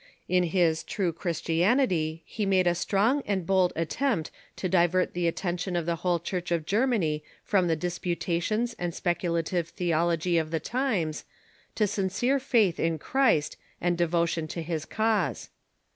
In his " True Christianity " he made a strong and bold attempt to divert the attention of the whole Church of Germany from the disputations and spec ulative theology of the times to sincere faith in Christ and devotion to his cause.